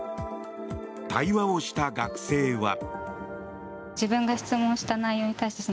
対話をした学生は。